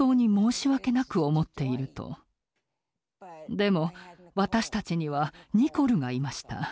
でも私たちにはニコルがいました。